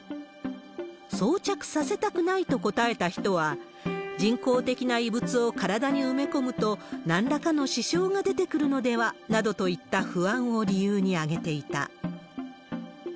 装着させたくないと答えた人は、人工的な異物を体に埋め込むと、なんらかの支障が出てくるのではなどといった不安を理由に挙げていた。